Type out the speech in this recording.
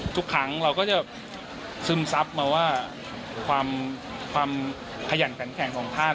ทุกครั้งเราก็จะซึมซับมาว่าความขยันขันแข็งของภาพ